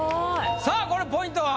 さぁこれポイントは？